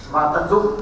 và tận dụng